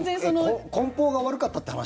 こん包が悪かったって話？